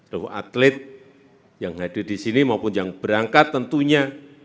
seluruh atlet yang hadir di sini maupun yang berangkat tentunya